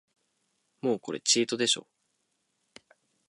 もうこれチートでしょ